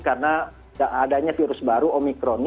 karena adanya virus baru omikron